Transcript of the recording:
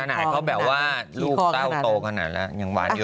ขนาดเขาแบบว่าลูกเต้าโตขนาดแล้วยังหวานอยู่